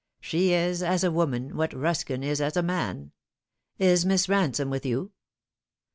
She is as a woman what Buskin is as a man. Is Miss Ransome with you?"